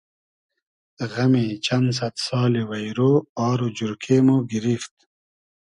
غئمی چئن سئد سالی وݷرۉ آر و جورکې مۉ گیریفت